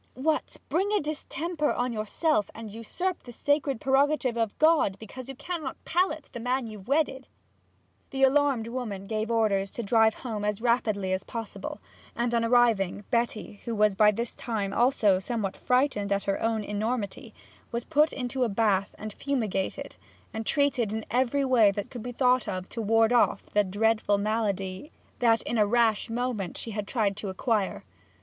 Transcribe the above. What bring a distemper on yourself, and usurp the sacred prerogative of God, because you can't palate the man you've wedded!' The alarmed woman gave orders to drive home as rapidly as possible, and on arriving, Betty, who was by this time also somewhat frightened at her own enormity, was put into a bath, and fumigated, and treated in every way that could be thought of to ward off the dreadful malady that in a rash moment she had tried to acquire.